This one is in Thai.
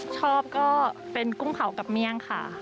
ชอบก็เป็นกุ้งเผากับเมี่ยงค่ะ